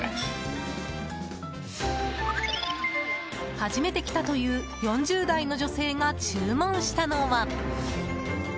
初めて来たという４０代の女性が注文したのは。